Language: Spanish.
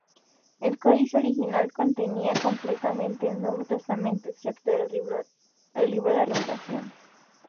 El códice original contenían completamente el Nuevo Testamento excepto el Libro de Revelación.